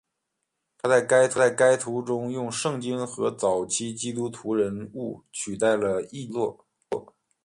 他在该图中用圣经和早期基督徒人物取代了异教的星座。